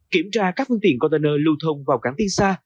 kiểm tra các phương tiện container lưu thông vào cảng tiên sa